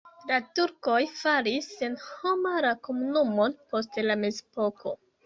La turkoj faris senhoma la komunumon post la mezepoko.